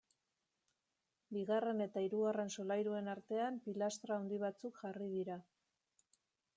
Bigarren eta hirugarren solairuen artean pilastra handi batzuk jarri dira.